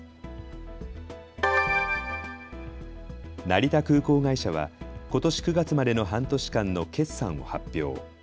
成田空港会社はことし９月までの半年間の決算を発表。